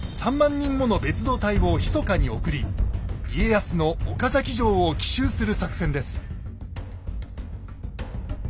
人もの別動隊をひそかに送り家康の岡崎城を奇襲する作戦です。